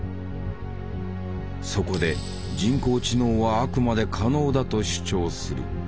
そこで人工知能はあくまで可能だと主張する。